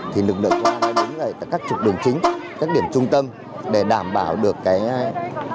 thì lực lượng qua đối với các trục đường chính các điểm trung tâm để đảm bảo được cái